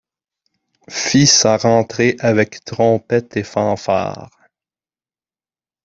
Fit sa rentrée avec trompettes et fanfares.